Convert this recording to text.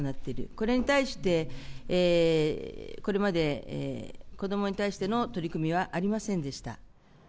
これに対して、これまで子どもに対しての取り組みはありませんでした。